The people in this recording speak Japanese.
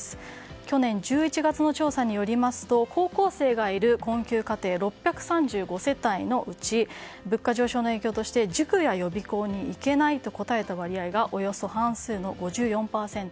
去年１１月の調査によりますと高校生がいる困窮家庭６３５世帯のうち物価上昇の影響として塾や予備校に行けないと答えた割合がおよそ半数の５４％。